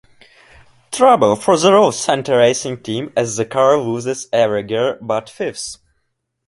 Trouble for the Rollcentre Racing team as the car loses every gear but fifth.